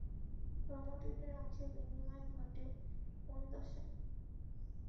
ক্রোমাটিডের অংশের বিনিময় ঘটে কোন দশায়?